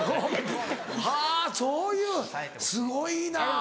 はぁそういうすごいな。